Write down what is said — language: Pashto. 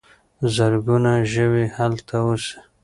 زرګونه ژوي هلته اوسي.